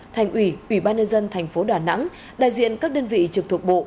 thành ủy ủy ban nhân dân thành phố đà nẵng đại diện các đơn vị trực thuộc bộ